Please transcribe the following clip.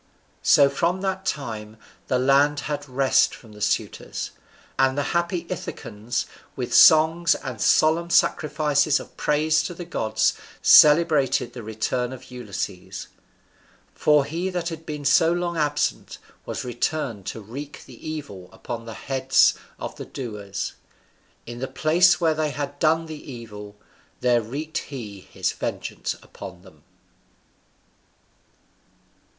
So from that time the land had rest from the suitors. And the happy Ithacans with songs and solemn sacrifices of praise to the gods celebrated the return of Ulysses; for he that had been so long absent was returned to wreak the evil upon the heads of the doers; in the place where they had done the evil, there wreaked he his vengeance upon them.